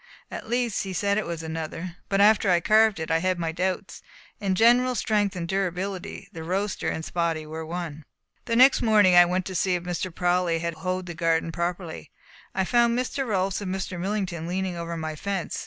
At least he said it was another, but after I had carved it I had my doubts. In general strength and durability the roaster and Spotty were one. The next morning, when I went out to see if Mr. Prawley had hoed the garden properly, I found Mr. Rolfs and Mr. Millington leaning over my fence.